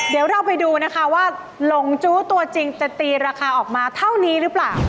เดี๋ยวเราไปดูนะคะว่าหลงจู้ตัวจริงจะตีราคาออกมาเท่านี้หรือเปล่า